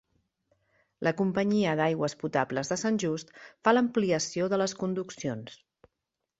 La Companyia d'Aigües Potables de Sant Just, fa l'ampliació de les conduccions.